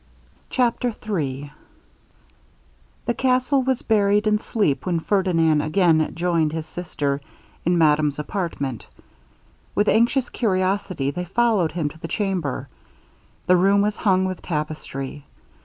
CHAPTER III The castle was buried in sleep when Ferdinand again joined his sisters in madame's apartment. With anxious curiosity they followed him to the chamber. The room was hung with tapestry.